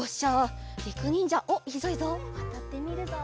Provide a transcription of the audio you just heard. わたってみるぞ。